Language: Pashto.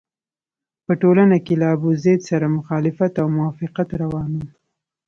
په ټولنه کې له ابوزید سره مخالفت او موافقت روان وو.